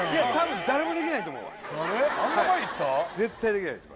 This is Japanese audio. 絶対できないです